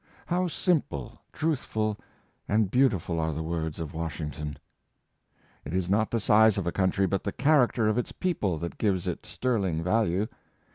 "" How simple, truthful, and beautiful are the words of Wash ington ! It is not the size of a country, but the character of its people, that gives it sterling value.